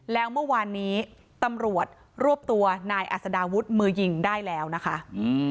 แล้วเมื่อวานนี้ตำรวจรวบตัวนายอัศดาวุฒิมือยิงได้แล้วนะคะอืม